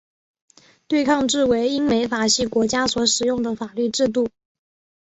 对抗制为英美法系国家所使用的法律制度。